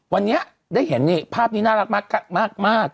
วันนี้ได้เห็นภาพนี้น่ารักมาก